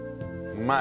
うまい。